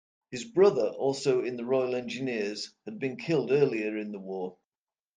His brother-also in the Royal Engineers-had been killed earlier in the war.